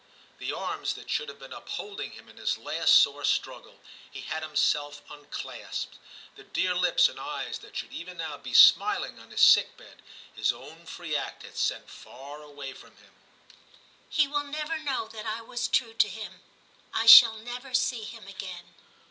The arms that should have been upholding him in his last sore struggle, he had himself unclasped ; the dear lips and eyes that should even now be smiling on his sick bed, his own free act had sent far away from him. * He will never know that I was true to him. I shall never see him again.'